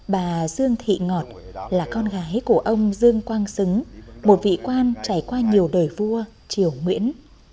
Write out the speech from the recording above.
bà dương thị ngọt là con gái của ông dương quang xứng một vị quan trải qua nhiều đời vua triều nguyễn